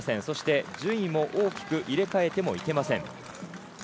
そして順位も大きく入れ替えてもいけません。